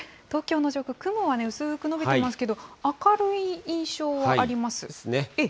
東京の上空、雲は薄く延びていますけれども、明るい印象はあります。